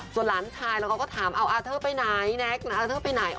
ส่วนหลานชายเราก็ถามอ้าวอาเธอไปไหนแน็คอาเธอไปไหน